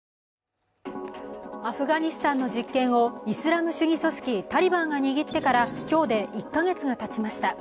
アフガニスタンの実験をイスラム主義組織タリバンが握ってから今日で１カ月がたちました。